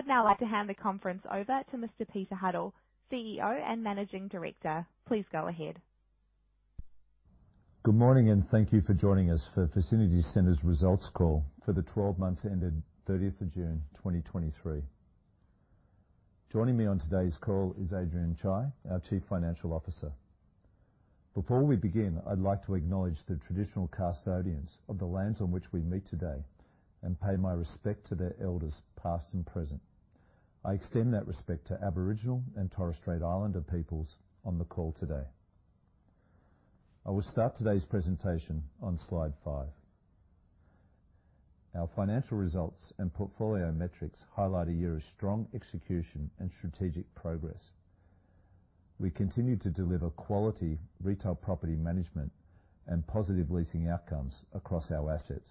I would now like to hand the conference over to Mr. Peter Huddle, CEO and Managing Director. Please go ahead. Good morning, and thank you for joining us for Vicinity Centres Results Call for the 12 months ended 30th of June, 2023. Joining me on today's call is Adrian Chye, our Chief Financial Officer. Before we begin, I'd like to acknowledge the traditional custodians of the lands on which we meet today and pay my respect to their elders past and present. I extend that respect to Aboriginal and Torres Strait Islander peoples on the call today. I will start today's presentation on slide 5. Our financial results and portfolio metrics highlight a year of strong execution and strategic progress. We continue to deliver quality retail property management and positive leasing outcomes across our assets.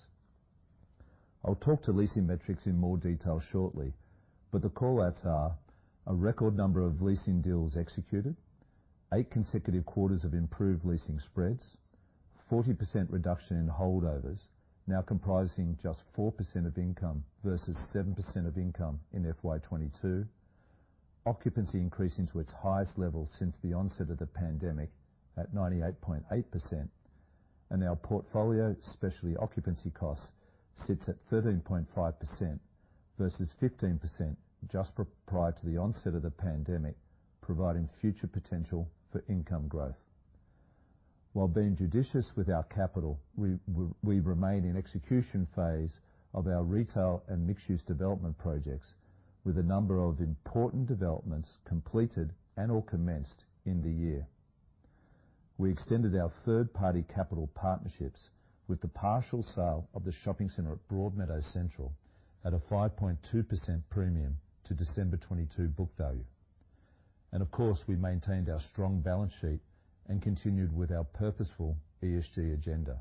I'll talk to leasing metrics in more detail shortly, but the callouts are: a record number of leasing deals executed, 8 consecutive quarters of improved leasing spreads, 40% reduction in holdovers now comprising just 4% of income versus 7% of income in FY2022, occupancy increasing to its highest level since the onset of the pandemic at 98.8%, and our portfolio, especially occupancy costs, sits at 13.5% versus 15% just prior to the onset of the pandemic, providing future potential for income growth. While being judicious with our capital, we remain in execution phase of our retail and mixed-use development projects, with a number of important developments completed and/or commenced in the year. We extended our third-party capital partnerships with the partial sale of the shopping centre at Broadmeadows Central at a 5.2% premium to December 2022 book value. Of course, we maintained our strong balance sheet and continued with our purposeful ESG agenda.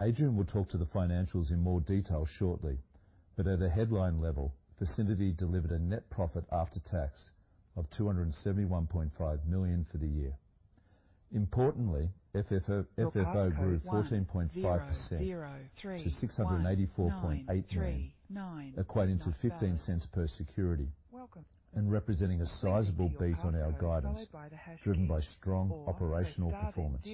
Adrian will talk to the financials in more detail shortly, but at a headline level, Vicinity delivered a net profit after tax of 271.5 million for the year. Importantly, FFO grew 14.5% to 684.8 million, equating to 0.15 per security and representing a sizable beat on our guidance, driven by strong operational performance.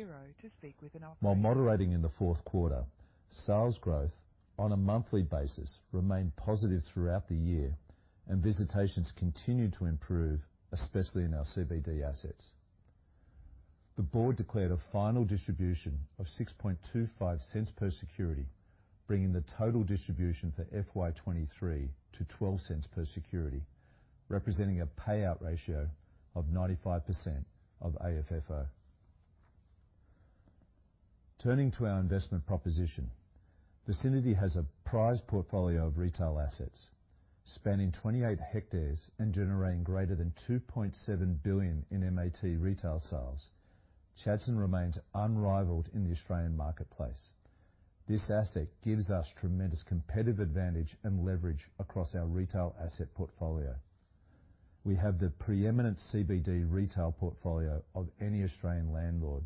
While moderating in the fourth quarter, sales growth on a monthly basis remained positive throughout the year, and visitations continued to improve, especially in our CBD assets. The board declared a final distribution of 0.0625 per security, bringing the total distribution for FY2023 to 0.12 per security, representing a payout ratio of 95% of AFFO. Turning to our investment proposition, Vicinity has a prized portfolio of retail assets. Spanning 28 hectares and generating greater than 2.7 billion in MAT retail sales, Chadstone remains unrivaled in the Australian marketplace. This asset gives us tremendous competitive advantage and leverage across our retail asset portfolio. We have the preeminent CBD retail portfolio of any Australian landlord,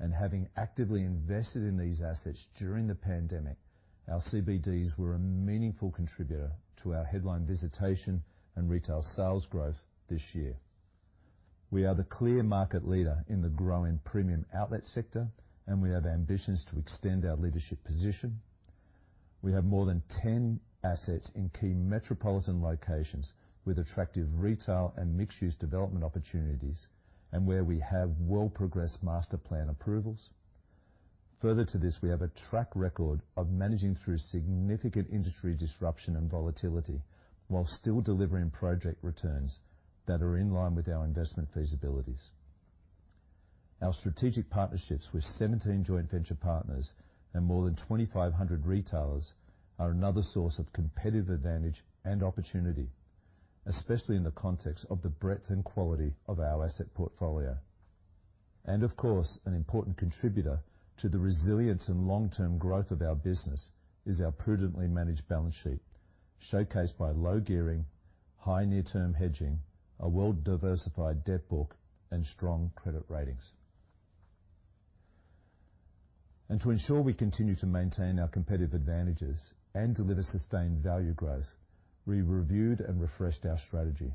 and having actively invested in these assets during the pandemic, our CBDs were a meaningful contributor to our headline visitation and retail sales growth this year. We are the clear market leader in the growing premium outlet sector, and we have ambitions to extend our leadership position. We have more than 10 assets in key metropolitan locations with attractive retail and mixed-use development opportunities and where we have well-progressed master plan approvals. Further to this, we have a track record of managing through significant industry disruption and volatility while still delivering project returns that are in line with our investment feasibilities. Our strategic partnerships with 17 joint venture partners and more than 2,500 retailers are another source of competitive advantage and opportunity, especially in the context of the breadth and quality of our asset portfolio. Of course, an important contributor to the resilience and long-term growth of our business is our prudently managed balance sheet, showcased by low gearing, high near-term hedging, a well-diversified debt book, and strong credit ratings. To ensure we continue to maintain our competitive advantages and deliver sustained value growth, we reviewed and refreshed our strategy.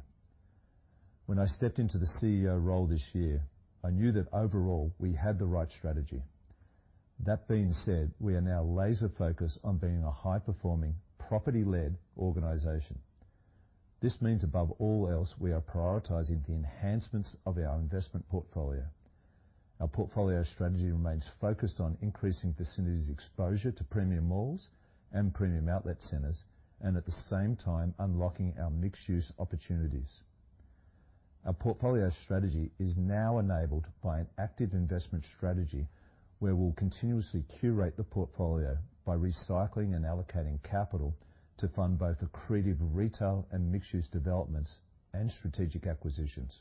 When I stepped into the CEO role this year, I knew that overall we had the right strategy. That being said, we are now laser-focused on being a high-performing, property-led organization. This means, above all else, we are prioritizing the enhancements of our investment portfolio. Our portfolio strategy remains focused on increasing Vicinity's exposure to premium malls and premium outlet centres, and at the same time unlocking our mixed-use opportunities. Our portfolio strategy is now enabled by an active investment strategy where we'll continuously curate the portfolio by recycling and allocating capital to fund both accretive retail and mixed-use developments and strategic acquisitions.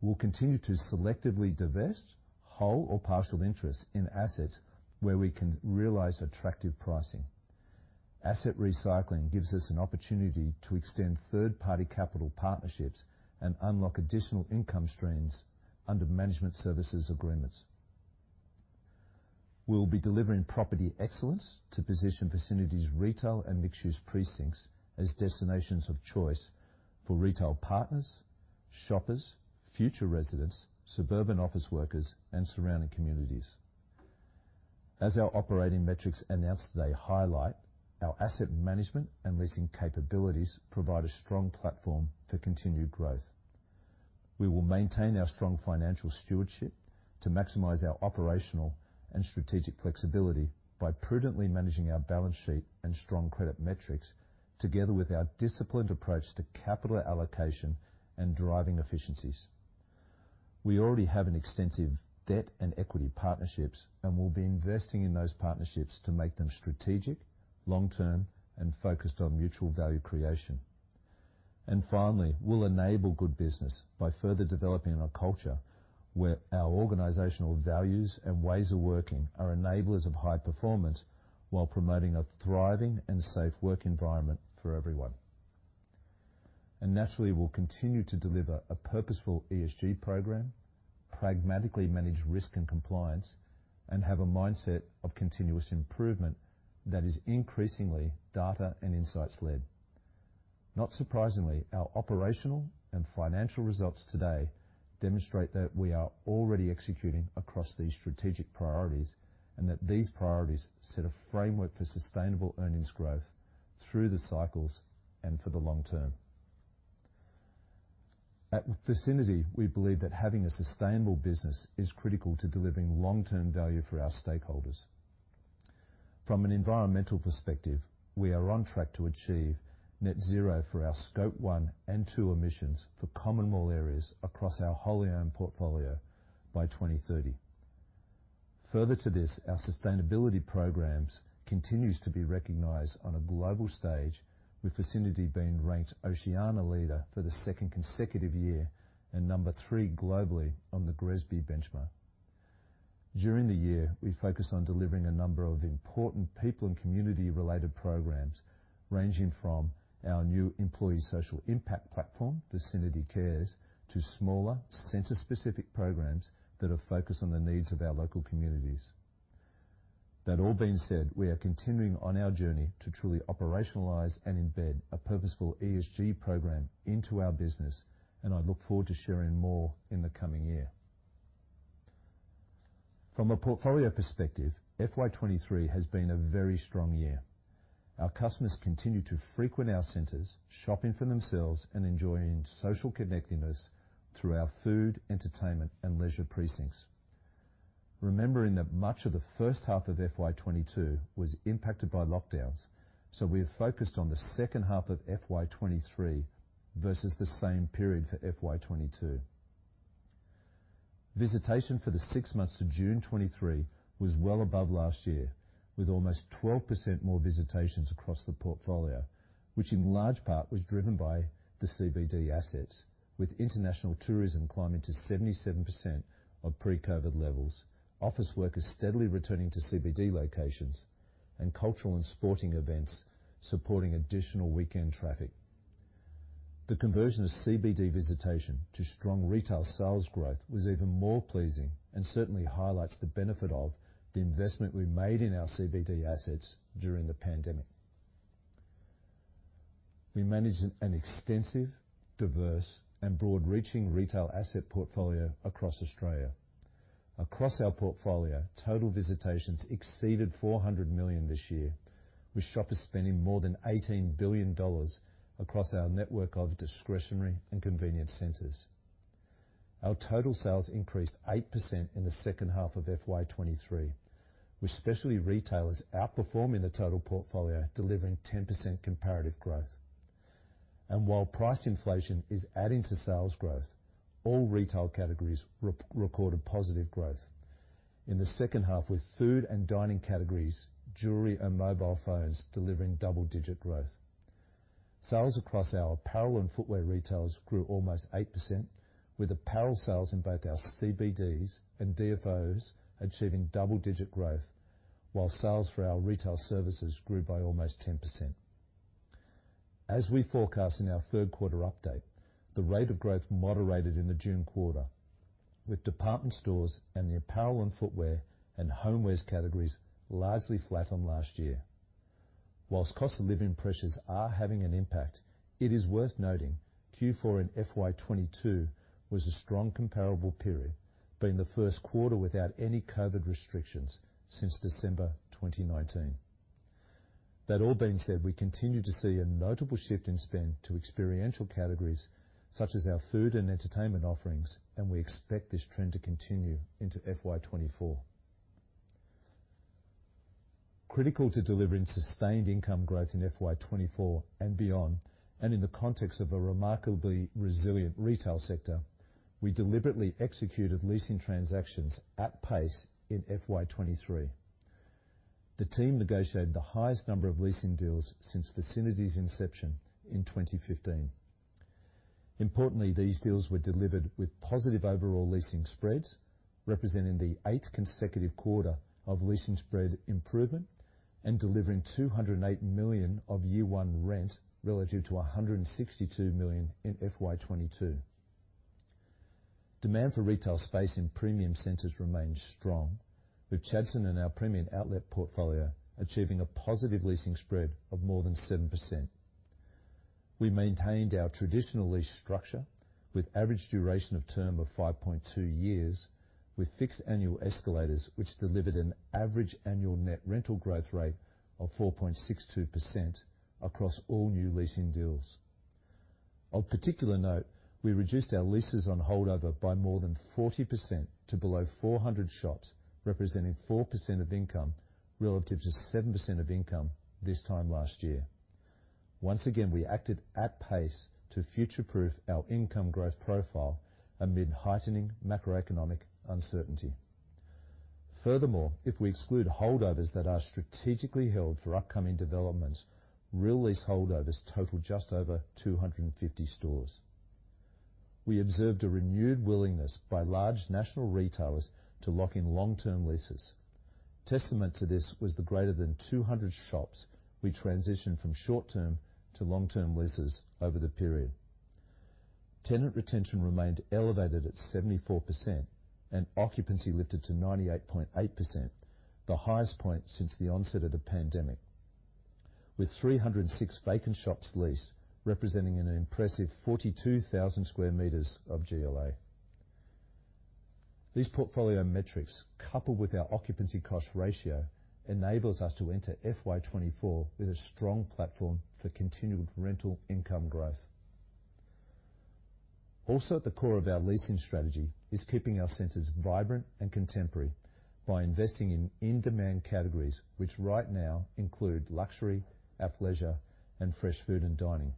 We'll continue to selectively divest, hold, or partial interest in assets where we can realize attractive pricing. Asset recycling gives us an opportunity to extend third-party capital partnerships and unlock additional income streams under management services agreements. We'll be delivering property excellence to position Vicinity's retail and mixed-use precincts as destinations of choice for retail partners, shoppers, future residents, suburban office workers, and surrounding communities. As our operating metrics announced today highlight, our asset management and leasing capabilities provide a strong platform for continued growth. We will maintain our strong financial stewardship to maximize our operational and strategic flexibility by prudently managing our balance sheet and strong credit metrics together with our disciplined approach to capital allocation and driving efficiencies. We already have extensive debt and equity partnerships, and we'll be investing in those partnerships to make them strategic, long-term, and focused on mutual value creation. And finally, we'll enable good business by further developing a culture where our organizational values and ways of working are enablers of high performance while promoting a thriving and safe work environment for everyone. And naturally, we'll continue to deliver a purposeful ESG program, pragmatically manage risk and compliance, and have a mindset of continuous improvement that is increasingly data and insights-led. Not surprisingly, our operational and financial results today demonstrate that we are already executing across these strategic priorities and that these priorities set a framework for sustainable earnings growth through the cycles and for the long term. At Vicinity, we believe that having a sustainable business is critical to delivering long-term value for our stakeholders. From an environmental perspective, we are on track to achieve net zero for our scope one and two emissions for common mall areas across our wholly-owned portfolio by 2030. Further to this, our sustainability programs continues to be recognized on a global stage, with Vicinity being ranked Oceania leader for the second consecutive year and number 3 globally on the GRESB benchmark. During the year, we focus on delivering a number of important people and community-related programs ranging from our new employee social impact platform, Vicinity Cares, to smaller, center-specific programs that are focused on the needs of our local communities. That all being said, we are continuing on our journey to truly operationalize and embed a purposeful ESG program into our business, and I look forward to sharing more in the coming year. From a portfolio perspective, FY2023 has been a very strong year. Our customers continue to frequent our centers, shopping for themselves, and enjoying social connectedness through our food, entertainment, and leisure precincts. Remembering that much of the first half of FY2022 was impacted by lockdowns, so we have focused on the second half of FY2023 versus the same period for FY2022. Visitation for the six months to June 2023 was well above last year, with almost 12% more visitations across the portfolio, which in large part was driven by the CBD assets, with international tourism climbing to 77% of pre-COVID levels, office workers steadily returning to CBD locations, and cultural and sporting events supporting additional weekend traffic. The conversion of CBD visitation to strong retail sales growth was even more pleasing and certainly highlights the benefit of the investment we made in our CBD assets during the pandemic. We manage an extensive, diverse, and broad-reaching retail asset portfolio across Australia. Across our portfolio, total visitations exceeded 400 million this year, with shoppers spending more than 18 billion dollars across our network of discretionary and convenience centers. Our total sales increased 8% in the second half of FY2023, with specialty retailers outperforming the total portfolio, delivering 10% comparative growth. While price inflation is adding to sales growth, all retail categories recorded positive growth in the second half, with food and dining categories, jewelry, and mobile phones delivering double-digit growth. Sales across our apparel and footwear retailers grew almost 8%, with the apparel sales in both our CBDs and DFOs achieving double-digit growth, while sales for our retail services grew by almost 10%. As we forecast in our third quarter update, the rate of growth moderated in the June quarter, with department stores and the apparel and footwear and homewares categories largely flat on last year. While cost of living pressures are having an impact, it is worth noting Q4 in FY2022 was a strong comparable period, being the first quarter without any COVID restrictions since December 2019. That all being said, we continue to see a notable shift in spend to experiential categories such as our food and entertainment offerings, and we expect this trend to continue into FY2024. Critical to delivering sustained income growth in FY2024 and beyond, and in the context of a remarkably resilient retail sector, we deliberately executed leasing transactions at pace in FY2023. The team negotiated the highest number of leasing deals since Vicinity's inception in 2015. Importantly, these deals were delivered with positive overall leasing spreads, representing the eighth consecutive quarter of leasing spread improvement, and delivering 208 million of year one rent relative to 162 million in FY2022. Demand for retail space in premium centres remains strong, with Chadstone and our premium outlet portfolio achieving a positive leasing spread of more than 7%. We maintained our traditional lease structure with average duration of term of 5.2 years, with fixed annual escalators which delivered an average annual net rental growth rate of 4.62% across all new leasing deals. Of particular note, we reduced our leases on holdover by more than 40% to below 400 shops, representing 4% of income relative to 7% of income this time last year. Once again, we acted at pace to future-proof our income growth profile amid heightening macroeconomic uncertainty. Furthermore, if we exclude holdovers that are strategically held for upcoming developments, real lease holdovers total just over 250 stores. We observed a renewed willingness by large national retailers to lock in long-term leases. Testament to this was the greater than 200 shops we transitioned from short-term to long-term leases over the period. Tenant retention remained elevated at 74%, and occupancy lifted to 98.8%, the highest point since the onset of the pandemic, with 306 vacant shops leased, representing an impressive 42,000 sq m of GLA. These portfolio metrics, coupled with our occupancy cost ratio, enable us to enter FY2024 with a strong platform for continued rental income growth. Also, at the core of our leasing strategy is keeping our centers vibrant and contemporary by investing in in-demand categories which right now include luxury, athleisure, and fresh food and dining.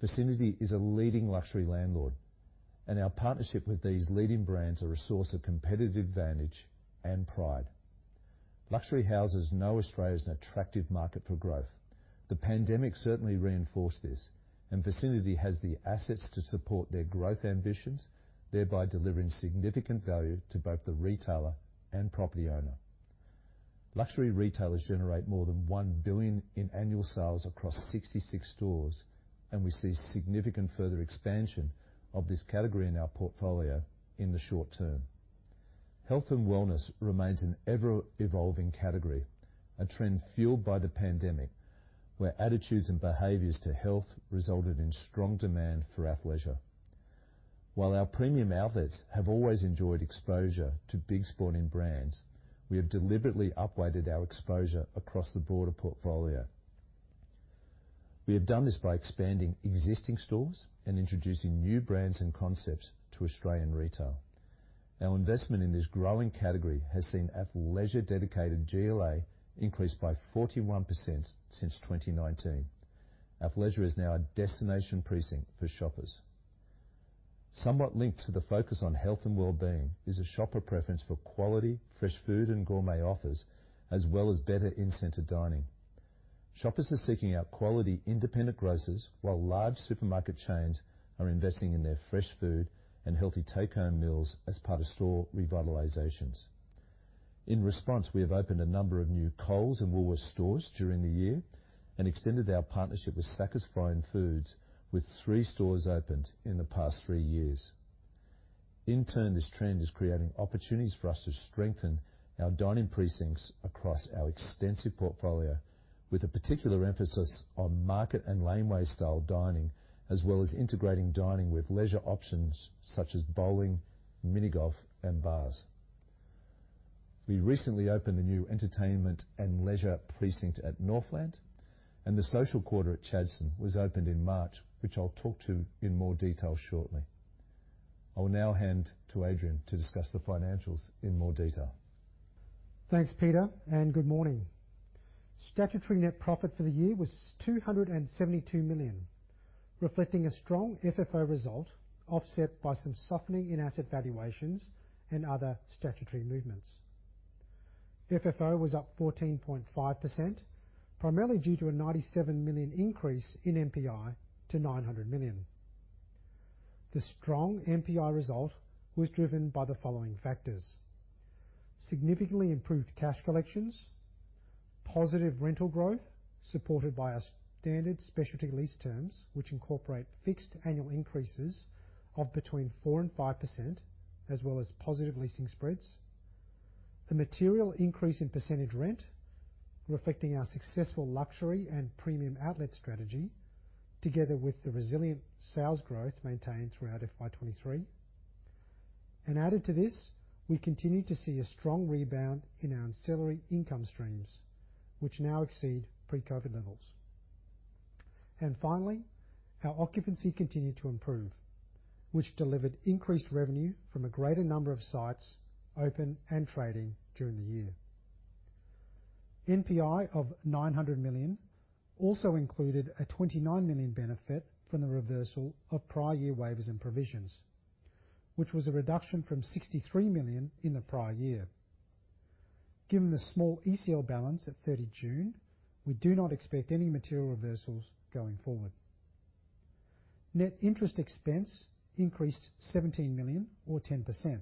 Vicinity is a leading luxury landlord, and our partnership with these leading brands is a source of competitive advantage and pride. Luxury houses know Australia's an attractive market for growth. The pandemic certainly reinforced this, and Vicinity has the assets to support their growth ambitions, thereby delivering significant value to both the retailer and property owner. Luxury retailers generate more than 1 billion in annual sales across 66 stores, and we see significant further expansion of this category in our portfolio in the short term. Health and wellness remains an ever-evolving category, a trend fueled by the pandemic, where attitudes and behaviors to health resulted in strong demand for athleisure. While our premium outlets have always enjoyed exposure to big sporting brands, we have deliberately upweighted our exposure across the broader portfolio. We have done this by expanding existing stores and introducing new brands and concepts to Australian retail. Our investment in this growing category has seen athleisure-dedicated GLA increase by 41% since 2019. Athleisure is now a destination precinct for shoppers. Somewhat linked to the focus on health and well-being is a shopper preference for quality, fresh food, and gourmet offers, as well as better in-center dining. Shoppers are seeking out quality, independent grocers, while large supermarket chains are investing in their fresh food and healthy take-home meals as part of store revitalizations. In response, we have opened a number of new Coles and Woolworths stores during the year and extended our partnership with Sacca's Frozen Foods, with three stores opened in the past three years. In turn, this trend is creating opportunities for us to strengthen our dining precincts across our extensive portfolio, with a particular emphasis on market and laneway-style dining, as well as integrating dining with leisure options such as bowling, minigolf, and bars. We recently opened a new entertainment and leisure precinct at Northland, and The Social Quarter at Chadstone was opened in March, which I'll talk to in more detail shortly. I will now hand to Adrian to discuss the financials in more detail. Thanks, Peter, and good morning. Statutory net profit for the year was 272 million, reflecting a strong FFO result offset by some softening in asset valuations and other statutory movements. FFO was up 14.5%, primarily due to a 97 million increase in NPI to 900 million. The strong NPI result was driven by the following factors: significantly improved cash collections, positive rental growth supported by our standard specialty lease terms, which incorporate fixed annual increases of between 4%-5%, as well as positive leasing spreads. The material increase in percentage rent, reflecting our successful luxury and premium outlet strategy, together with the resilient sales growth maintained throughout FY 2023. And added to this, we continue to see a strong rebound in our ancillary income streams, which now exceed pre-COVID levels. And finally, our occupancy continued to improve, which delivered increased revenue from a greater number of sites open and trading during the year. NPI of 900 million also included a 29 million benefit from the reversal of prior year waivers and provisions, which was a reduction from 63 million in the prior year. Given the small ECL balance at 30 June, we do not expect any material reversals going forward. Net interest expense increased 17 million or 10%.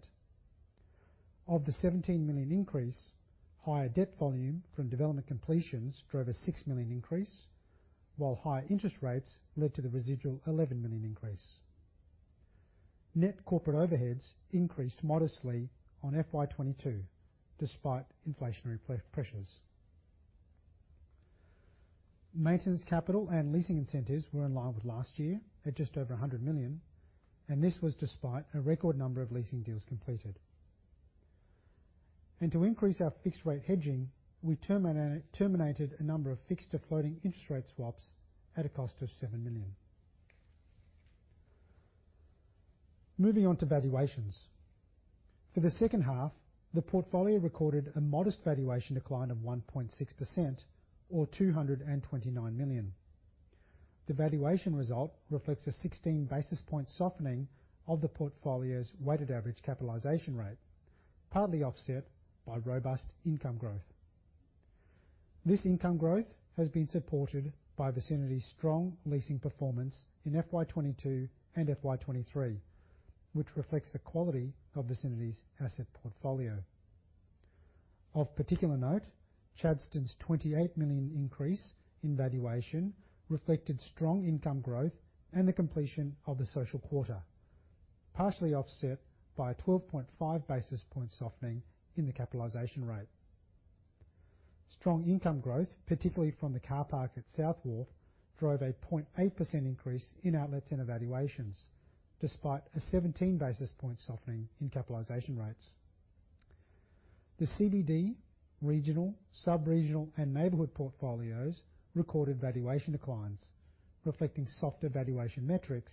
Of the 17 million increase, higher debt volume from development completions drove a 6 million increase, while higher interest rates led to the residual 11 million increase. Net corporate overheads increased modestly on FY2022 despite inflationary pressures. Maintenance capital and leasing incentives were in line with last year at just over 100 million, and this was despite a record number of leasing deals completed. To increase our fixed-rate hedging, we terminated a number of fixed-to-floating interest-rate swaps at a cost of 7 million. Moving on to valuations. For the second half, the portfolio recorded a modest valuation decline of 1.6% or 229 million. The valuation result reflects a 16 basis points softening of the portfolio's weighted average capitalization rate, partly offset by robust income growth. This income growth has been supported by Vicinity's strong leasing performance in FY2022 and FY2023, which reflects the quality of Vicinity's asset portfolio. Of particular note, Chadstone's 28 million increase in valuation reflected strong income growth and the completion of the Social Quarter, partially offset by a 12.5 basis point softening in the capitalization rate. Strong income growth, particularly from the car park at South Wharf, drove a 0.8% increase in outlets and valuations, despite a 17 basis point softening in capitalization rates. The CBD regional, subregional, and neighborhood portfolios recorded valuation declines, reflecting softer valuation metrics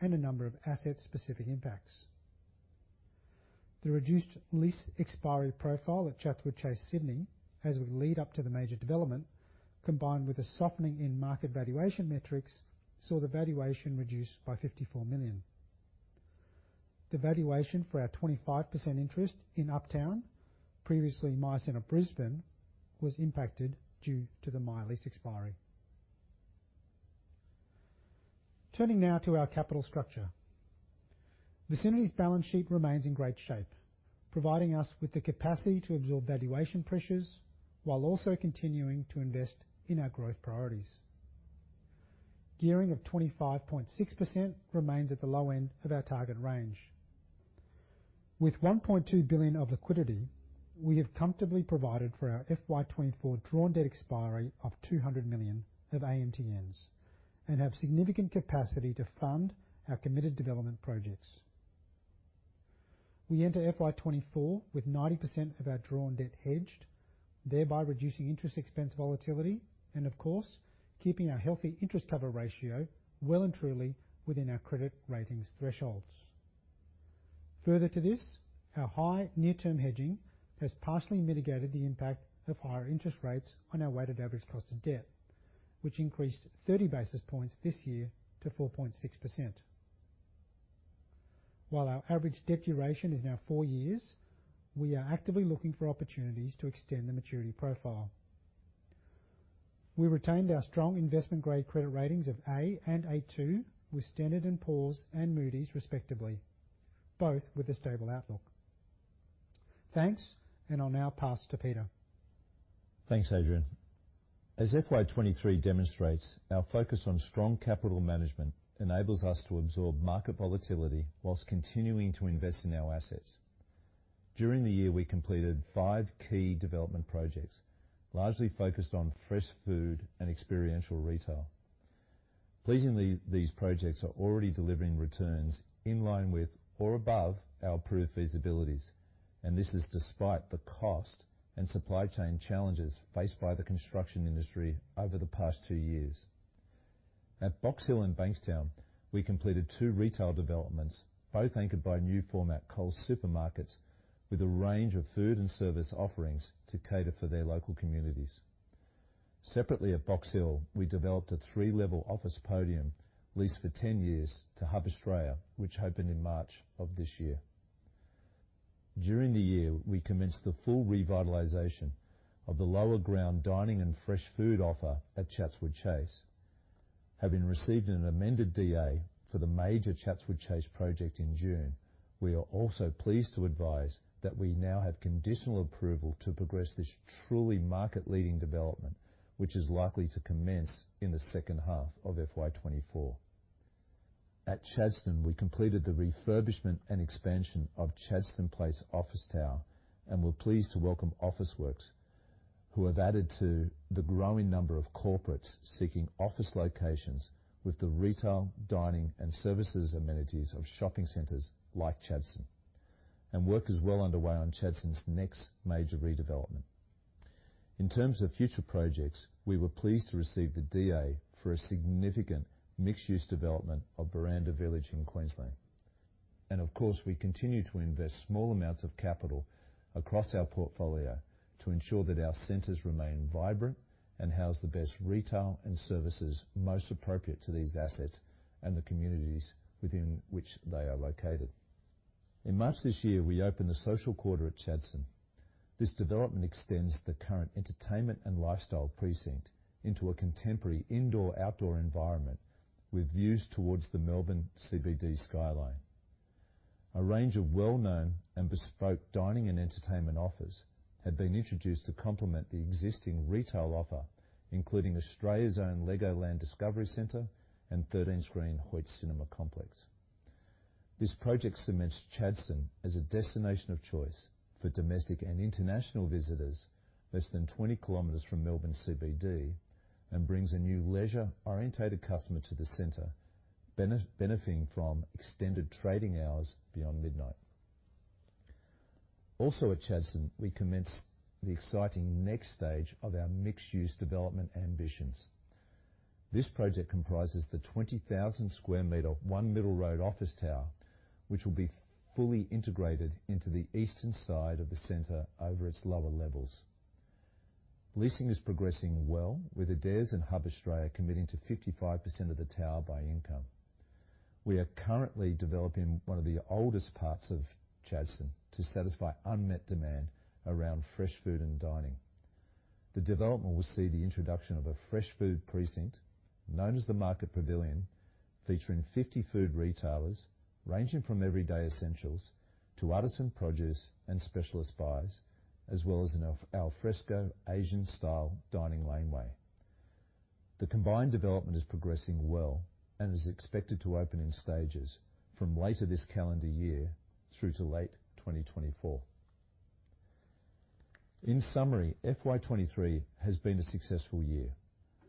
and a number of asset-specific impacts. The reduced lease expiry profile at Chatswood Chase Sydney, as we lead up to the major development, combined with a softening in market valuation metrics, saw the valuation reduced by 54 million. The valuation for our 25% interest in Uptown, previously Myer Centre Brisbane, was impacted due to the Myer lease expiry. Turning now to our capital structure. Vicinity's balance sheet remains in great shape, providing us with the capacity to absorb valuation pressures while also continuing to invest in our growth priorities. Gearing of 25.6% remains at the low end of our target range. With 1.2 billion of liquidity, we have comfortably provided for our FY 2024 drawn debt expiry of 200 million of AMTNs and have significant capacity to fund our committed development projects. We enter FY2024 with 90% of our drawn debt hedged, thereby reducing interest expense volatility and, of course, keeping our healthy interest cover ratio well and truly within our credit ratings thresholds. Further to this, our high near-term hedging has partially mitigated the impact of higher interest rates on our weighted average cost of debt, which increased 30 basis points this year to 4.6%. While our average debt duration is now four years, we are actively looking for opportunities to extend the maturity profile. We retained our strong investment-grade credit ratings of A and A2 with Standard & Poor's and Moody's, respectively, both with a stable outlook. Thanks, and I'll now pass to Peter. Thanks, Adrian. As FY2023 demonstrates, our focus on strong capital management enables us to absorb market volatility while continuing to invest in our assets. During the year, we completed 5 key development projects, largely focused on fresh food and experiential retail. Pleasingly, these projects are already delivering returns in line with or above our proof feasibilities, and this is despite the cost and supply chain challenges faced by the construction industry over the past 2 years. At Box Hill and Bankstown, we completed two retail developments, both anchored by new-format Coles supermarkets with a range of food and service offerings to cater for their local communities. Separately, at Box Hill, we developed a three-level office podium leased for 10 years to Hub Australia, which opened in March of this year. During the year, we commenced the full revitalization of the lower ground dining and fresh food offer at Chatswood Chase. Having received an amended DA for the major Chatswood Chase project in June, we are also pleased to advise that we now have conditional approval to progress this truly market-leading development, which is likely to commence in the second half of FY2024. At Chadstone, we completed the refurbishment and expansion of Chadstone Place Office Tower and we're pleased to welcome Officeworks, who have added to the growing number of corporates seeking office locations with the retail, dining, and services amenities of shopping centres like Chadstone, and work is well underway on Chadstone's next major redevelopment. In terms of future projects, we were pleased to receive the DA for a significant mixed-use development of Buranda Village in Queensland. Of course, we continue to invest small amounts of capital across our portfolio to ensure that our centers remain vibrant and house the best retail and services most appropriate to these assets and the communities within which they are located. In March this year, we opened The Social Quarter at Chadstone. This development extends the current entertainment and lifestyle precinct into a contemporary indoor-outdoor environment with views towards the Melbourne CBD skyline. A range of well-known and bespoke dining and entertainment offers had been introduced to complement the existing retail offer, including Australia's own LEGOLAND Discovery Centre and 13-screen HOYTS Cinema Complex. This project cements Chadstone as a destination of choice for domestic and international visitors, less than 20 km from Melbourne CBD, and brings a new leisure-oriented customer to the center, benefiting from extended trading hours beyond midnight. Also at Chadstone, we commence the exciting next stage of our mixed-use development ambitions. This project comprises the 20,000 sq m One Middle Road office tower, which will be fully integrated into the eastern side of the center over its lower levels. Leasing is progressing well, with Adairs and Hub Australia committing to 55% of the tower by income. We are currently developing one of the oldest parts of Chadstone to satisfy unmet demand around fresh food and dining. The development will see the introduction of a fresh food precinct known as the Market Pavilion, featuring 50 food retailers ranging from everyday essentials to artisan produce and specialist buys, as well as our alfresco Asian-style dining laneway. The combined development is progressing well and is expected to open in stages from later this calendar year through to late 2024. In summary, FY2023 has been a successful year.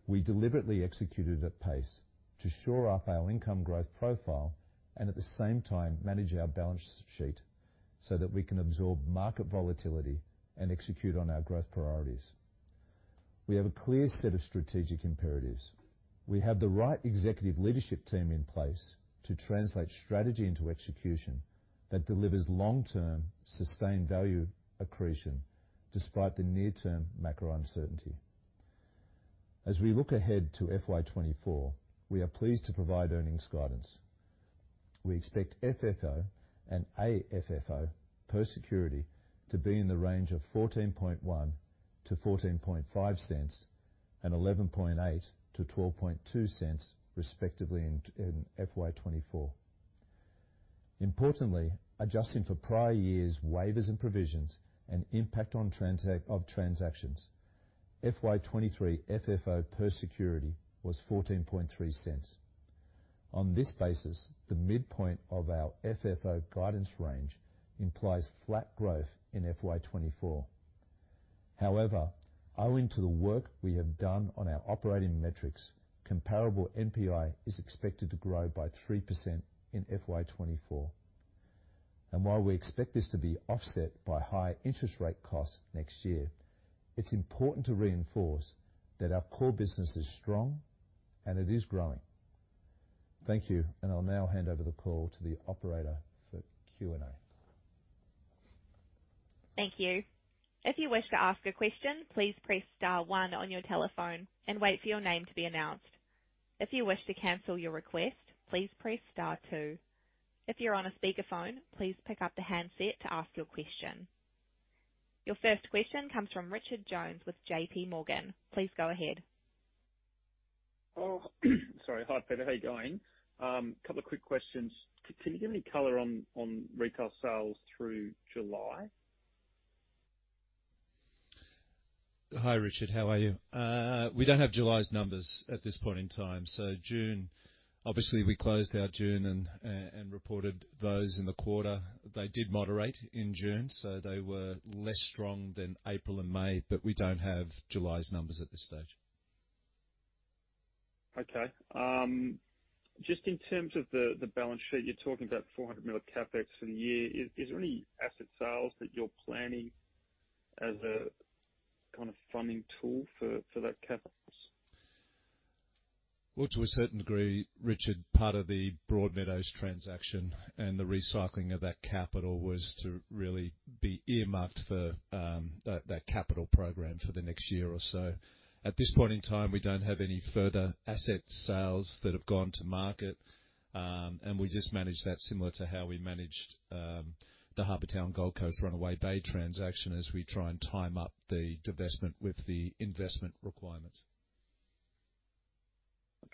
We deliberately executed at pace to shore up our income growth profile and at the same time manage our balance sheet so that we can absorb market volatility and execute on our growth priorities. We have a clear set of strategic imperatives. We have the right executive leadership team in place to translate strategy into execution that delivers long-term sustained value accretion despite the near-term macro uncertainty. As we look ahead to FY2024, we are pleased to provide earnings guidance. We expect FFO and AFFO per security to be in the range of 0.141-0.145 and 0.118-0.122, respectively, in FY2024. Importantly, adjusting for prior years' waivers and provisions and impact of transactions, FY2023 FFO per security was 0.143. On this basis, the midpoint of our FFO guidance range implies flat growth in FY2024. However, owing to the work we have done on our operating metrics, comparable NPI is expected to grow by 3% in FY2024. While we expect this to be offset by high interest-rate costs next year, it's important to reinforce that our core business is strong and it is growing. Thank you, and I'll now hand over the call to the operator for Q&A. Thank you. If you wish to ask a question, please press star one on your telephone and wait for your name to be announced. If you wish to cancel your request, please press star two. If you're on a speakerphone, please pick up the handset to ask your question. Your first question comes from Richard Jones with JPMorgan. Please go ahead. Sorry. Hi, Peter. How are you going? Couple of quick questions. Can you give any color on retail sales through July? Hi, Richard. How are you? We don't have July's numbers at this point in time. So June, obviously, we closed out June and reported those in the quarter. They did moderate in June, so they were less strong than April and May, but we don't have July's numbers at this stage. Okay. Just in terms of the balance sheet, you're talking about 400 million CapEx for the year. Is there any asset sales that you're planning as a kind of funding tool for that CapEx? Well, to a certain degree, Richard, part of the Broadmeadows transaction and the recycling of that capital was to really be earmarked for that capital program for the next year or so. At this point in time, we don't have any further asset sales that have gone to market, and we just manage that similar to how we managed the Harbour Town Gold Coast Runaway Bay transaction as we try and time up the divestment with the investment requirements.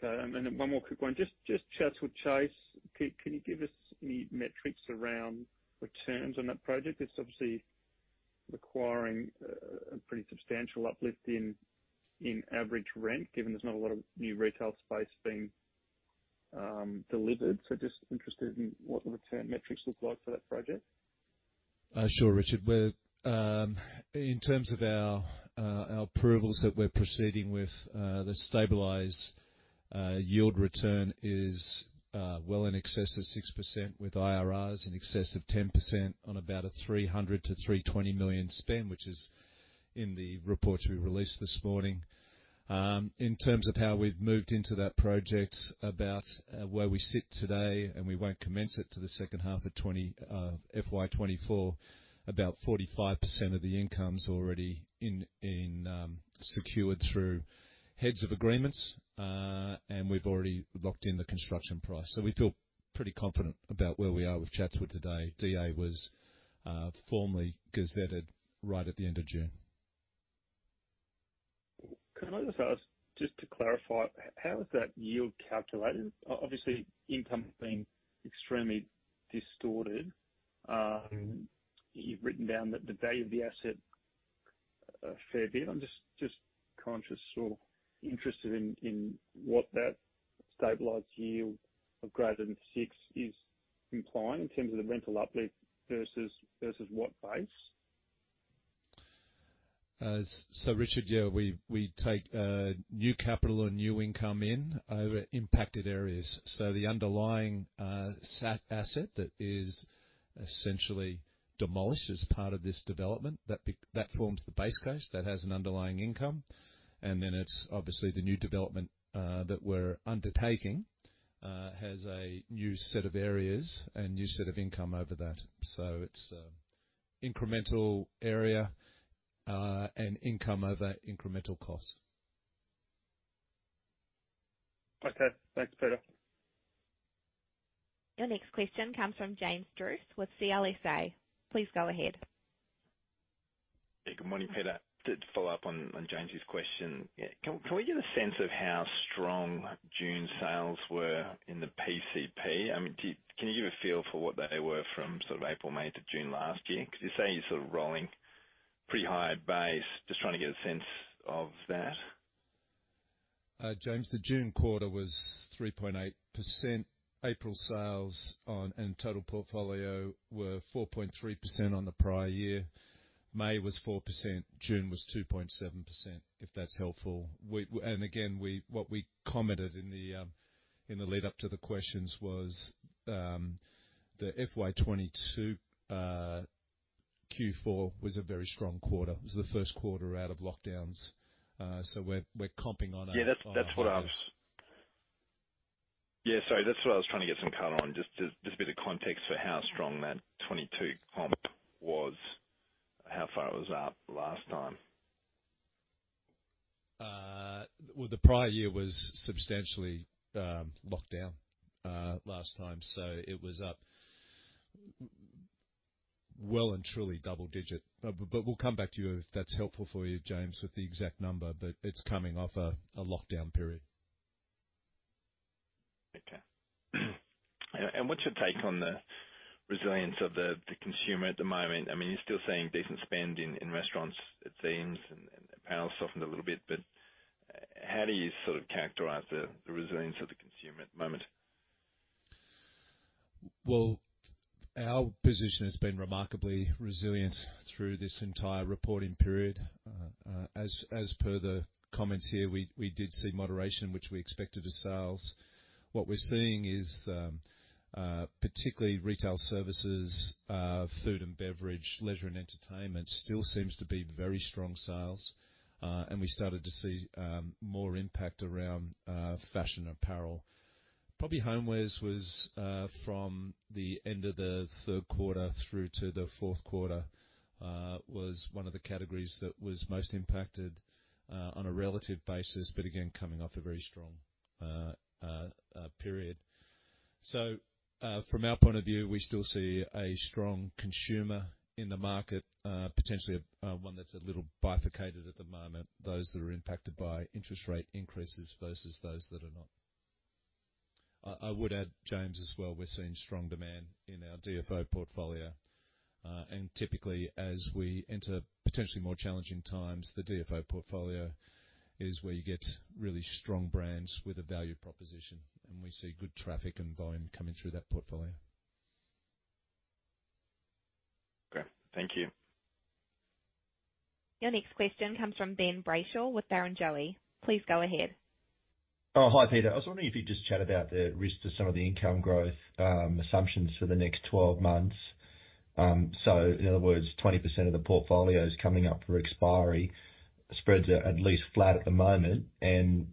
Okay. And one more quick one. Just Chatswood Chase, can you give us any metrics around returns on that project? It's obviously requiring a pretty substantial uplift in average rent, given there's not a lot of new retail space being delivered. So just interested in what the return metrics look like for that project. Sure, Richard. In terms of our approvals that we're proceeding with, the stabilized yield return is well in excess of 6% with IRRs in excess of 10% on about a 300 million-320 million spend, which is in the reports we released this morning. In terms of how we've moved into that project, about where we sit today, and we won't commence it to the second half of FY2024, about 45% of the income's already secured through heads of agreements, and we've already locked in the construction price. So we feel pretty confident about where we are with Chatswood today. DA was formally gazetted right at the end of June. Can I just ask, just to clarify, how is that yield calculated? Obviously, income's been extremely distorted. You've written down that the value of the asset a fair bit. I'm just conscious or interested in what that stabilized yield of greater than 6 is implying in terms of the rental uplift versus what base? So, Richard, yeah, we take new capital and new income in over impacted areas. So the underlying asset that is essentially demolished as part of this development, that forms the base cost that has an underlying income. And then it's, obviously, the new development that we're undertaking has a new set of areas and new set of income over that. So it's incremental area and income over incremental cost. Okay. Thanks, Peter. Your next question comes from James Druce with CLSA. Please go ahead. Hey, good morning, Peter. To follow up on James's question, can we get a sense of how strong June sales were in the PCP? I mean, can you give a feel for what they were from sort of April, May to June last year? Because you say you're sort of rolling pretty high base. Just trying to get a sense of that. James, the June quarter was 3.8%. April sales and total portfolio were 4.3% on the prior year. May was 4%. June was 2.7%, if that's helpful. And again, what we commented in the lead-up to the questions was the FY2022 Q4 was a very strong quarter. It was the first quarter out of lockdowns. So we're comping on our numbers. Yeah, that's what I was, sorry. That's what I was trying to get some color on. Just a bit of context for how strong that 2022 comp was, how far it was up last time. Well, the prior year was substantially locked down last time, so it was up well and truly double-digit. But we'll come back to you if that's helpful for you, James, with the exact number, but it's coming off a lockdown period. Okay. What's your take on the resilience of the consumer at the moment? I mean, you're still seeing decent spend in restaurants, it seems, and apparently softened a little bit. But how do you sort of characterise the resilience of the consumer at the moment? Well, our position has been remarkably resilient through this entire reporting period. As per the comments here, we did see moderation, which we expected as sales. What we're seeing is, particularly retail services, food and beverage, leisure and entertainment, still seems to be very strong sales. We started to see more impact around fashion apparel. Probably homewares was, from the end of the third quarter through to the fourth quarter, one of the categories that was most impacted on a relative basis, but again, coming off a very strong period. From our point of view, we still see a strong consumer in the market, potentially one that's a little bifurcated at the moment, those that are impacted by interest-rate increases versus those that are not. I would add, James, as well, we're seeing strong demand in our DFO portfolio. Typically, as we enter potentially more challenging times, the DFO portfolio is where you get really strong brands with a value proposition, and we see good traffic and volume coming through that portfolio. Okay. Thank you. Your next question comes from Ben Brayshaw with Barrenjoey. Please go ahead. Oh, hi, Peter. I was wondering if you'd just chat about the risks to some of the income growth assumptions for the next 12 months. So in other words, 20% of the portfolio's coming up for expiry, spreads are at least flat at the moment, and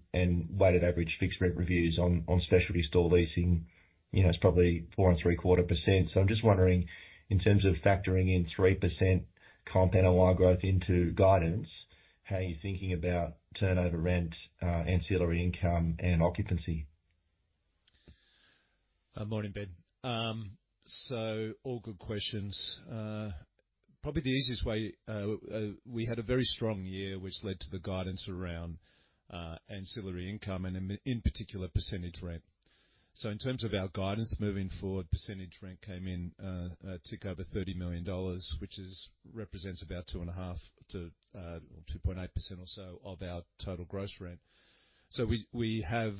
weighted average fixed rate reviews on specialty store leasing, it's probably 4.75%. So I'm just wondering, in terms of factoring in 3% comp NOI growth into guidance, how are you thinking about turnover rent, ancillary income, and occupancy? Morning, Ben. So all good questions. Probably the easiest way, we had a very strong year which led to the guidance around ancillary income and, in particular, percentage rent. So in terms of our guidance moving forward, percentage rent came in just over 30 million dollars, which represents about 2.5%-2.8% or so of our total gross rent. So we have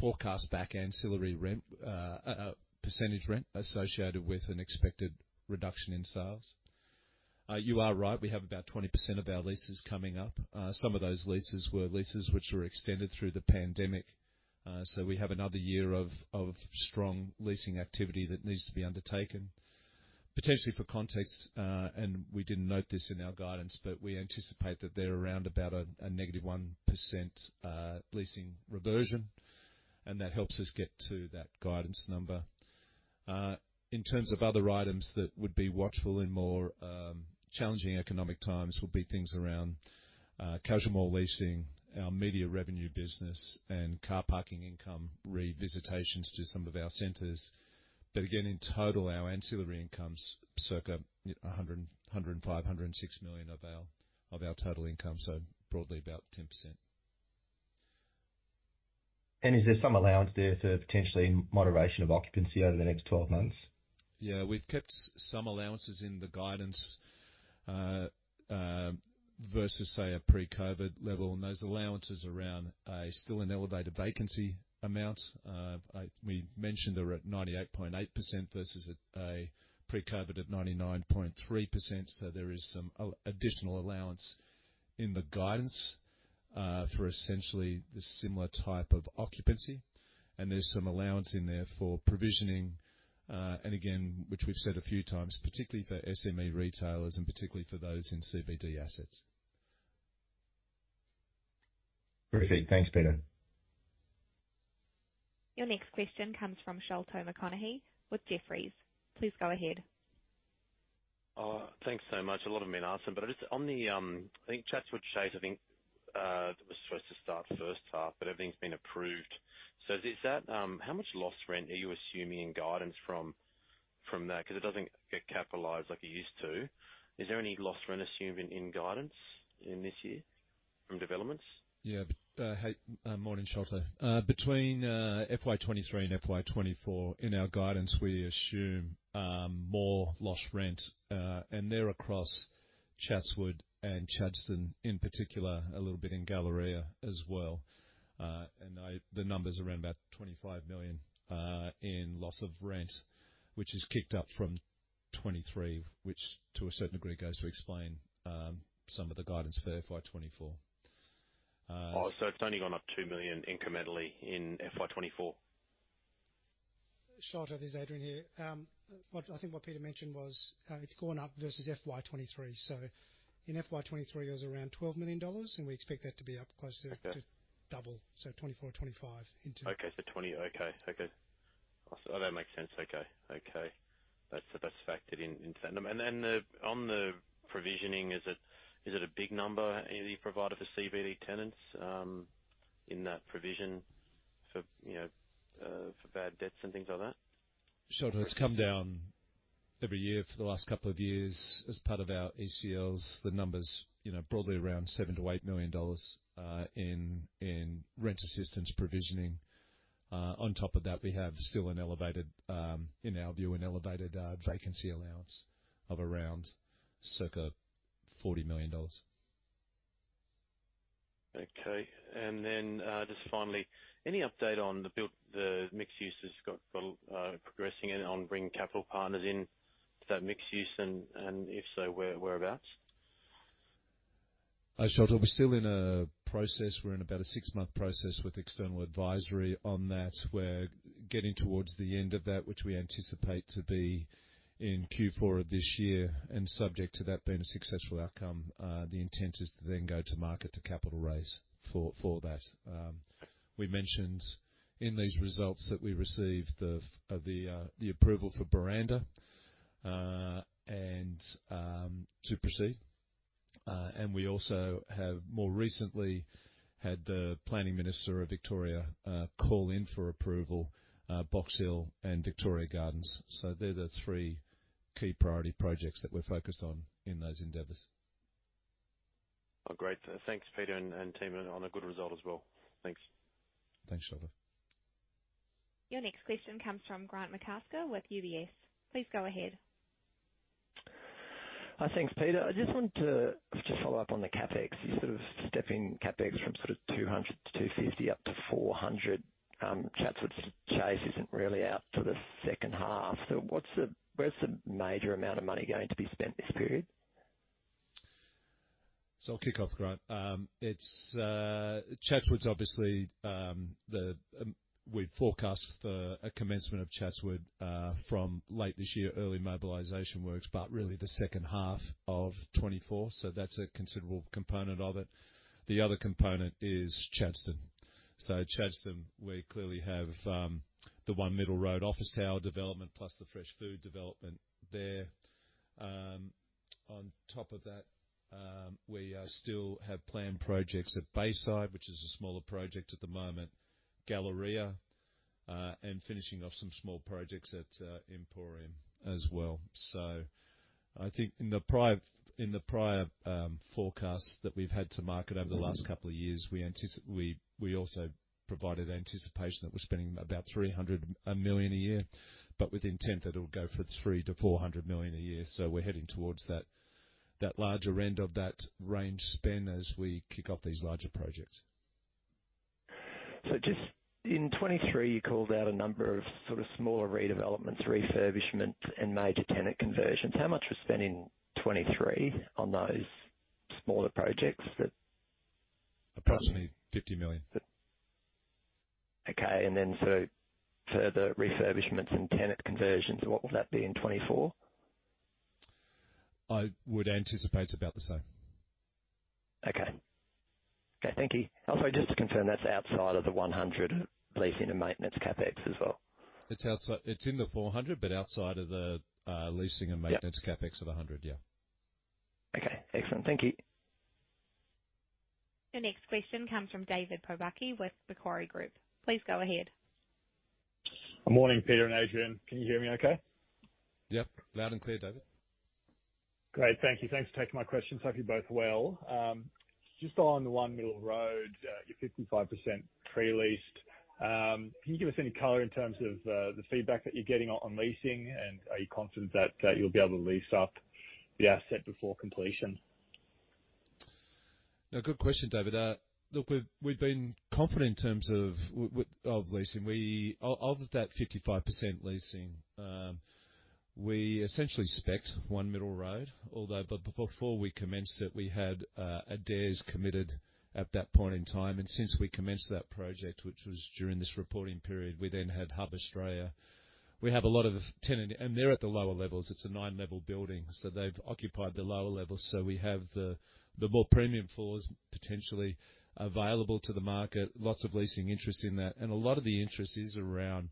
forecast back ancillary rent, percentage rent, associated with an expected reduction in sales. You are right. We have about 20% of our leases coming up. Some of those leases were leases which were extended through the pandemic. So we have another year of strong leasing activity that needs to be undertaken. Potentially for context, and we didn't note this in our guidance, but we anticipate that they're around about a -1% leasing reversion, and that helps us get to that guidance number. In terms of other items that would be watchful in more challenging economic times would be things around casual mall leasing, our media revenue business, and car parking income revisitations to some of our centers. But again, in total, our ancillary income's circa 105 million-106 million of our total income, so broadly about 10%. Is there some allowance there for potentially moderation of occupancy over the next 12 months? Yeah, we've kept some allowances in the guidance versus, say, a pre-COVID level. And those allowances around still an elevated vacancy amount. We mentioned they're at 98.8% versus a pre-COVID of 99.3%. So there is some additional allowance in the guidance for essentially the similar type of occupancy. And there's some allowance in there for provisioning, and again, which we've said a few times, particularly for SME retailers and particularly for those in CBD assets. Perfect. Thanks, Peter. Your next question comes from Sholto Maconochie with Jefferies. Please go ahead. Thanks so much. A lot of men asked them, but I just on the—I think Chatswood Chase, I think, was supposed to start first half, but everything's been approved. So is that how much lost rent are you assuming in guidance from that? Because it doesn't get capitalized like it used to. Is there any lost rent assumed in guidance in this year from developments? Yeah. Morning, Sholto. Between FY2023 and FY2024, in our guidance, we assume more lost rent, and they're across Chatswood and Chadstone, in particular, a little bit in Galleria as well. And the number's around about 25 million in loss of rent, which has kicked up from 2023, which to a certain degree goes to explain some of the guidance for FY2024. Oh, so it's only gone up 2 million incrementally in FY2024? Sholto, this is Adrian here. I think what Peter mentioned was it's gone up versus FY 2023. So in FY 2023, it was around AUD 12 million, and we expect that to be up close to double, so 2024 or 2025 into. Okay. So 2020, okay. Okay. Oh, that makes sense. Okay. Okay. That's factored into that. And then on the provisioning, is it a big number that you provide for CBD tenants in that provision for bad debts and things like that? Sholto, it's come down every year for the last couple of years as part of our ECLs. The number's broadly around 7 million-8 million dollars in rent assistance provisioning. On top of that, we have still an elevated, in our view, an elevated vacancy allowance of around circa AUD 40 million. Okay. And then just finally, any update on the mixed uses progressing and on bringing capital partners in to that mixed use, and if so, whereabouts? Sholto, we're still in a process. We're in about a six-month process with external advisory on that. We're getting towards the end of that, which we anticipate to be in Q4 of this year. And subject to that being a successful outcome, the intent is to then go to market to capital raise for that. We mentioned in these results that we received the approval for Buranda to proceed. And we also have more recently had the planning minister of Victoria call in for approval, Box Hill and Victoria Gardens. So they're the three key priority projects that we're focused on in those endeavours. Oh, great. Thanks, Peter and team, and on a good result as well. Thanks. Thanks, Sholto. Your next question comes from Grant McCasker with UBS. Please go ahead. Thanks, Peter. I just want to follow up on the CapEx. You sort of stepping CapEx from sort of 200-250 up to 400. Chatswood Chase isn't really out for the second half. So where's the major amount of money going to be spent this period? So I'll kick off, Grant. Chatswood's, obviously, the we've forecast for a commencement of Chatswood from late this year, early mobilisation works, but really the second half of 2024. So that's a considerable component of it. The other component is Chadstone. So Chadstone, we clearly have the One Middle Road office tower development plus the fresh food development there. On top of that, we still have planned projects at Bayside, which is a smaller project at the moment, Galleria, and finishing off some small projects at Emporium as well. So I think in the prior forecasts that we've had to market over the last couple of years, we also provided anticipation that we're spending about 300 million a year, but with intent that it'll go for 300 million-400 million a year. So we're heading towards that larger end of that range spend as we kick off these larger projects. So just in 2023, you called out a number of sort of smaller redevelopments, refurbishments, and major tenant conversions. How much was spent in 2023 on those smaller projects that? Approximately AUD 50 million. Okay. Further refurbishments and tenant conversions, what will that be in 2024? I would anticipate it's about the same. Okay. Okay. Thank you. Also, just to confirm, that's outside of the 100 leasing and maintenance CapEx as well? It's in the 400, but outside of the leasing and maintenance CapEx of 100, yeah. Okay. Excellent. Thank you. Your next question comes from David Pobucky with Macquarie Group. Please go ahead. Morning, Peter and Adrian. Can you hear me okay? Yep. Loud and clear, David. Great. Thank you. Thanks for taking my questions. Hope you both well. Just on the One Middle Road, you're 55% pre-leased. Can you give us any color in terms of the feedback that you're getting on leasing, and are you confident that you'll be able to lease up the asset before completion? No, good question, David. Look, we've been confident in terms of leasing. Of that 55% leasing, we essentially spec'd One Middle Road, although but before we commenced it, we had Adairs committed at that point in time. And since we commenced that project, which was during this reporting period, we then had Hub Australia. We have a lot of tenant and they're at the lower levels. It's a nine-level building, so they've occupied the lower levels. So we have the more premium floors potentially available to the market, lots of leasing interest in that. And a lot of the interest is around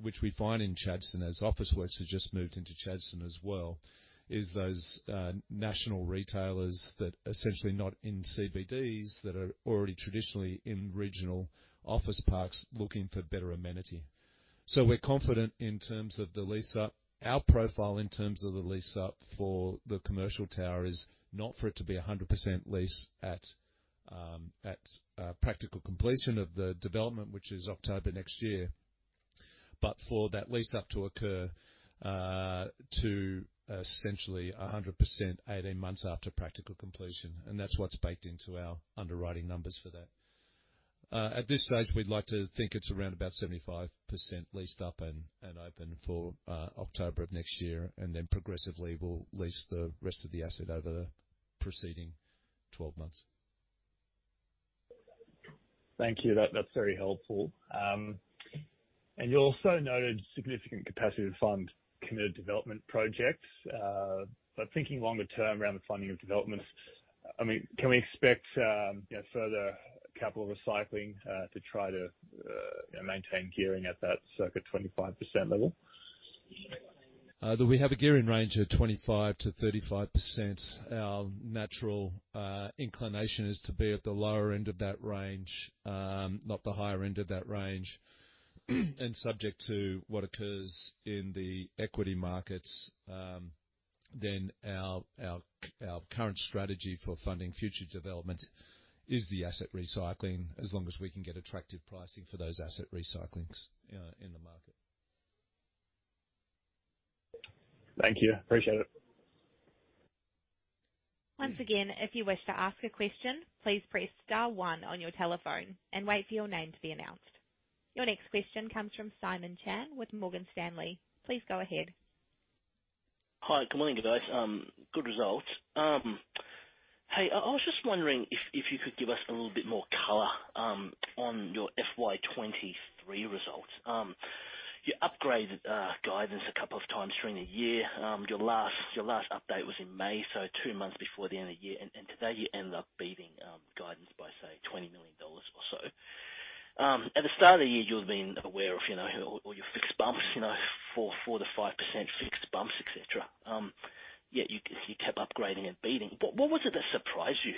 which we find in Chadstone, as Officeworks have just moved into Chadstone as well, is those national retailers that essentially not in CBDs that are already traditionally in regional office parks looking for better amenity. So we're confident in terms of the lease up. Our profile in terms of the lease up for the commercial tower is not for it to be 100% leased at practical completion of the development, which is October next year, but for that lease up to occur to essentially 100% 18 months after practical completion. That's what's baked into our underwriting numbers for that. At this stage, we'd like to think it's around about 75% leased up and open for October of next year, and then progressively, we'll lease the rest of the asset over the preceding 12 months. Thank you. That's very helpful. And you also noted significant capacity to fund committed development projects. But thinking longer term around the funding of developments, I mean, can we expect further capital recycling to try to maintain gearing at that circa 25% level? We have a gearing range of 25%-35%. Our natural inclination is to be at the lower end of that range, not the higher end of that range. Subject to what occurs in the equity markets, then our current strategy for funding future developments is the asset recycling as long as we can get attractive pricing for those asset recyclings in the market. Thank you. Appreciate it. Once again, if you wish to ask a question, please press star one on your telephone and wait for your name to be announced. Your next question comes from Simon Chan with Morgan Stanley. Please go ahead. Hi. Good morning, guys. Good results. Hey, I was just wondering if you could give us a little bit more color on your FY2023 results. You upgraded guidance a couple of times during the year. Your last update was in May, so two months before the end of the year. Today, you end up beating guidance by, say, 20 million dollars or so. At the start of the year, you've been aware of all your fixed bumps, 4%-5% fixed bumps, etc. Yet you kept upgrading and beating. What was it that surprised you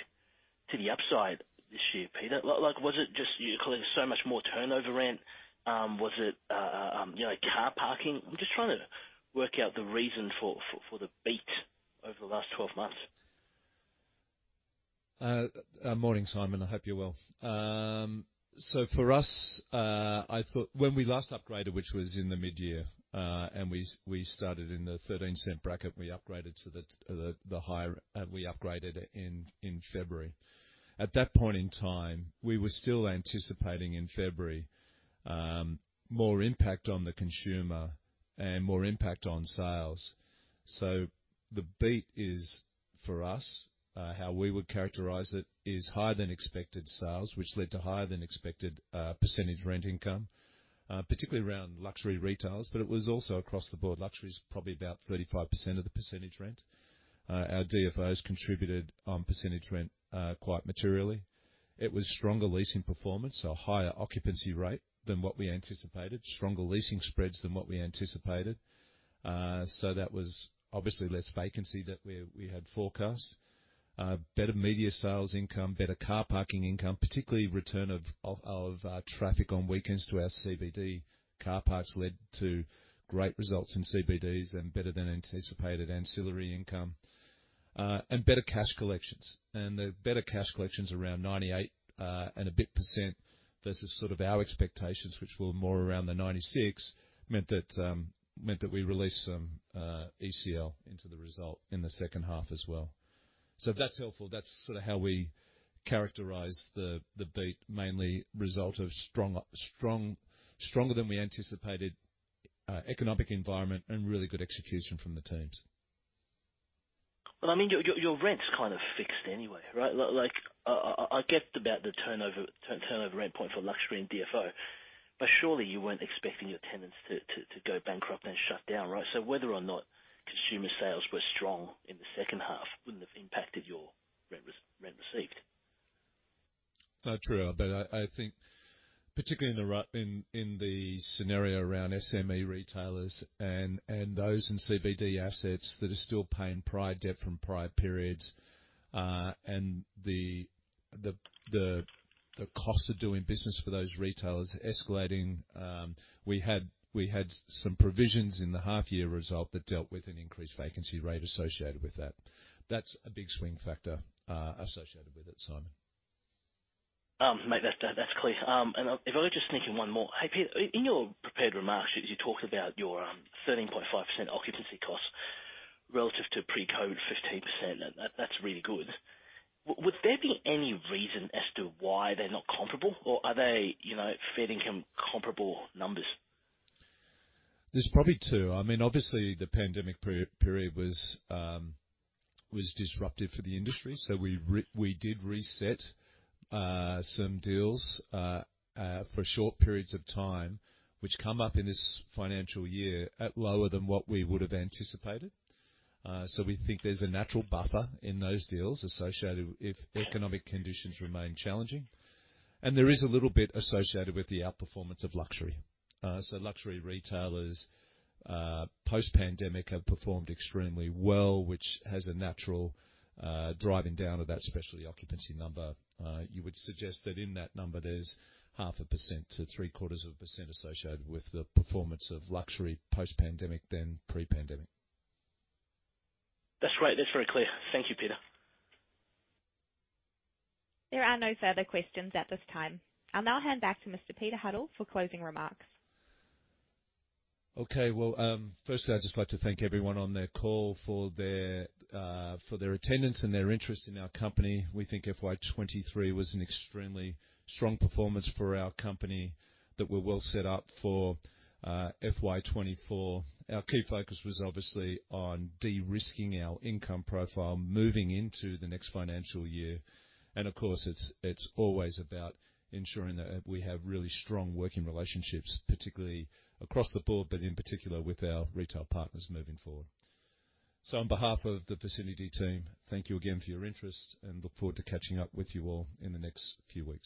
to the upside this year, Peter? Was it just you're collecting so much more turnover rent? Was it car parking? I'm just trying to work out the reason for the beat over the last 12 months. Morning, Simon. I hope you're well. So for us, I thought when we last upgraded, which was in the midyear, and we started in the 0.13 bracket, we upgraded to the higher we upgraded in February. At that point in time, we were still anticipating in February more impact on the consumer and more impact on sales. So the beat is for us, how we would characterize it, is higher-than-expected sales, which led to higher-than-expected percentage rent income, particularly around luxury retailers, but it was also across the board. Luxury's probably about 35% of the percentage rent. Our DFOs contributed on percentage rent quite materially. It was stronger leasing performance, a higher occupancy rate than what we anticipated, stronger leasing spreads than what we anticipated. So that was obviously less vacancy that we had forecast, better media sales income, better car parking income, particularly return of traffic on weekends to our CBD car parks led to great results in CBDs and better-than-anticipated ancillary income, and better cash collections. And the better cash collections around 98 and a bit percent versus sort of our expectations, which were more around the 96%, meant that we released some ECL into the result in the second half as well. So that's helpful. That's sort of how we characterise the beat, mainly result of stronger-than-we-anticipated economic environment and really good execution from the teams. Well, I mean, your rent's kind of fixed anyway, right? I get about the turnover rent point for luxury and DFO, but surely you weren't expecting your tenants to go bankrupt and shut down, right? So whether or not consumer sales were strong in the second half wouldn't have impacted your rent received. True. I bet I think particularly in the scenario around SME retailers and those in CBD assets that are still paying prior debt from prior periods and the cost of doing business for those retailers escalating, we had some provisions in the half-year result that dealt with an increased vacancy rate associated with that. That's a big swing factor associated with it, Simon. That's clear. And if I were just sneaking one more. Hey, Peter, in your prepared remarks, you talked about your 13.5% occupancy costs relative to pre-COVID 15%. That's really good. Would there be any reason as to why they're not comparable, or are they fairly comparable numbers? There's probably 2. I mean, obviously, the pandemic period was disruptive for the industry, so we did reset some deals for short periods of time, which come up in this financial year at lower than what we would have anticipated. So we think there's a natural buffer in those deals associated if economic conditions remain challenging. And there is a little bit associated with the outperformance of luxury. So luxury retailers post-pandemic have performed extremely well, which has a natural driving down of that specialty occupancy number. You would suggest that in that number, there's 0.5%-0.75% associated with the performance of luxury post-pandemic than pre-pandemic. That's right. That's very clear. Thank you, Peter. There are no further questions at this time. I'll now hand back to Mr. Peter Huddle for closing remarks. Okay. Well, firstly, I'd just like to thank everyone on their call for their attendance and their interest in our company. We think FY2023 was an extremely strong performance for our company, that we're well set up for FY2024. Our key focus was obviously on de-risking our income profile moving into the next financial year. And of course, it's always about ensuring that we have really strong working relationships, particularly across the board, but in particular with our retail partners moving forward. So on behalf of the Vicinity team, thank you again for your interest, and look forward to catching up with you all in the next few weeks.